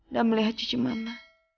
dan melihat cici mama